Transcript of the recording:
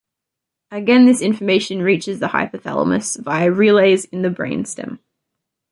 Again this information reaches the hypothalamus via relays in the brainstem.